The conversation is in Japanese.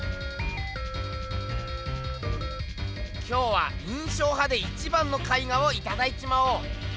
今日は印象派で一番の絵画をいただいちまおう。